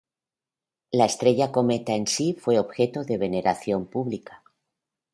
La estrella cometa en sí fue objeto de veneración pública.